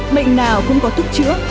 bệnh nào cũng có thuốc chữa